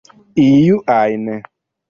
iu ajn